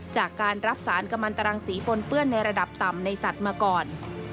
จากการรับสารกำลังตรังสีปนเปื้อนในระดับต่ำในสัตว์มาก่อน